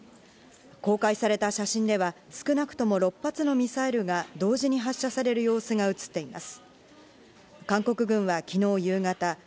公開された写真では、少なくとも６発のミサイルが同時に発射される様子が写っています。